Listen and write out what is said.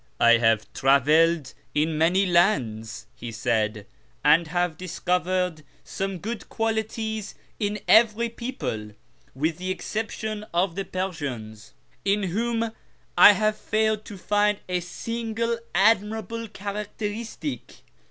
" I have travelled in many lands," he said, " and have discovered some good quali ties in every people, with the exception of the Persians, in whom I have failed to find a single admirable characteristic.